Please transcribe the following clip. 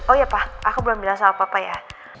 oh iya pa aku belum bilang salah papa ya